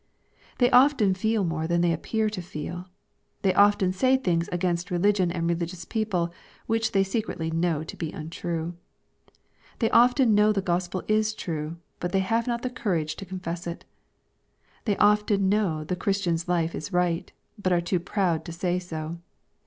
They often feel more than they appear to feel. They often say things against religion and religious people, which they secretly know to be untrue. They often know the Gospel is true, but have not the courage to confess it. They often know the Christian's life is right, but are too proud to say so.